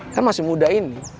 kan masih muda ini